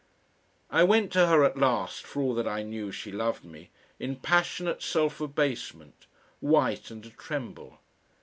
I went to her at last, for all that I knew she loved me, in passionate self abasement, white and a tremble.